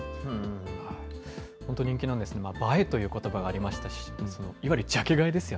本当、人気なんですが、今、映えということばがありましたし、いわゆるジャケ買いですよ